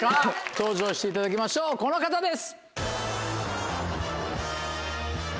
登場していただきましょうこの方です！